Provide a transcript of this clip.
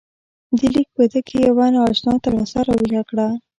دې لیک په ده کې یوه نا اشنا تلوسه راویښه کړه.